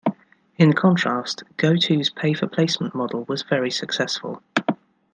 In contrast, GoTo's pay-for-placement model was very successful.